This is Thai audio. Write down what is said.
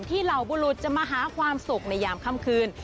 เหล่าบุรุษจะมาหาความสุขในยามค่ำคืน